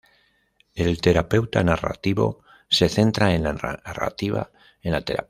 El terapeuta narrativo se centra en la narrativa en la terapia.